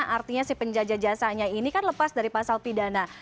artinya si penjajah jasanya ini kan lepas dari pasal pidana